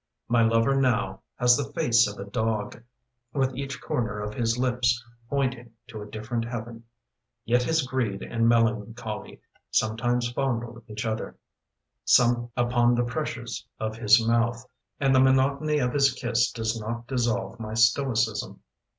My lover now has the face of a dog, With each corner of his lips Pointing to a different Heaven, Yet his greed and melancholy Sometimes fondle each other Upon the pressures of his mouth, And the monotony of his kiss Does not dissolve my stoicism.